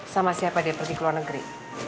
sama siapa dia pergi ke luar negeri